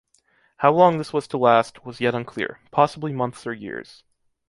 How long this was to last, was yet unclear, possibly months or years.